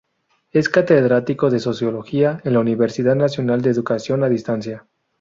Es Catedrático de sociología en la Universidad Nacional de Educación a Distancia.